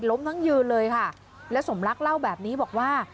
ทั้งยืนเลยค่ะและสมรักเล่าแบบนี้บอกว่า